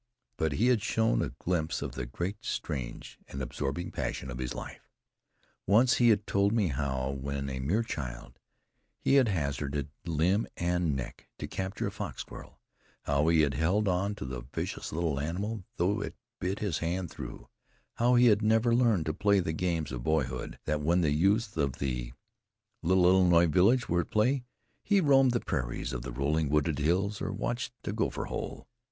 But he had shown a glimpse of the great, strange and absorbing passion of his life. Once he had told me how, when a mere child, he had hazarded limb and neck to capture a fox squirrel, how he had held on to the vicious little animal, though it bit his hand through; how he had never learned to play the games of boyhood; that when the youths of the little Illinois village were at play, he roamed the prairies, or the rolling, wooded hills, or watched a gopher hole.